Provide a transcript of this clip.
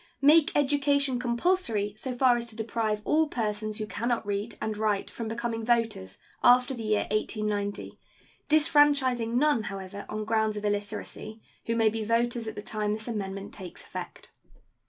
Make education compulsory so far as to deprive all persons who can not read and write from becoming voters after the year 1890, disfranchising none, however, on grounds of illiteracy who may be voters at the time this amendment takes effect.